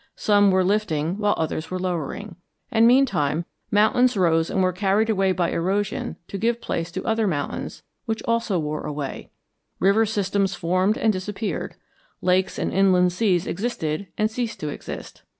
Some were lifting while others were lowering. And, meantime, mountains rose and were carried away by erosion to give place to other mountains which also wore away; river systems formed and disappeared, lakes and inland seas existed and ceased to exist.